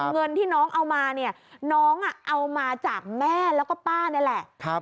เงินที่น้องเอามาเนี่ยน้องเอามาจากแม่แล้วก็ป้านี่แหละ